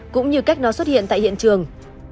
cũng như cách nó xuất hiện tại hiện trường